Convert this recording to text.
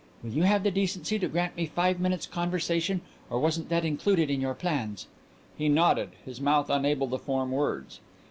"Will you have the decency to grant me five minutes' conversation or wasn't that included in your plans?" He nodded, his mouth unable to form words.